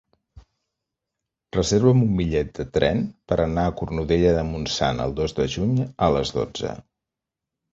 Reserva'm un bitllet de tren per anar a Cornudella de Montsant el dos de juny a les dotze.